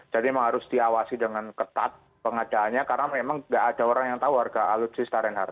jadi memang harus diawasi dengan ketat pengadaannya karena memang tidak ada orang yang tahu warga alutsista reinhardt